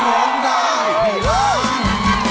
ร้องได้ให้ร้อง